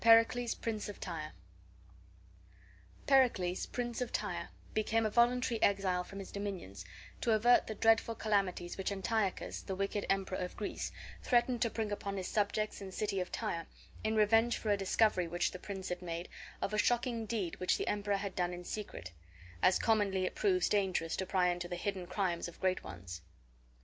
PERICLES, PRINCE OF TYRE Pericles, Prince of Tyre, became a voluntary exile from his dominions, to avert the dreadful calamities which Antiochus, the wicked emperor of Greece, threatened to bring upon his subjects and city of Tyre, in revenge for a discovery which the prince had made of a shocking deed which the emperor had done in secret; as commonly it proves dangerous to pry into the hidden crimes of great ones.